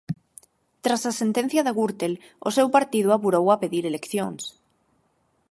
Tras a sentencia da Gürtel, o seu partido apurou a pedir eleccións.